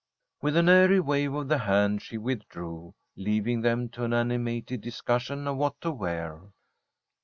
With an airy wave of the hand she withdrew, leaving them to an animated discussion of what to wear.